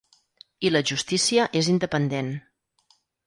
I la justícia és independent.